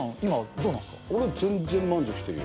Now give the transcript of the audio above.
俺全然満足してるよ。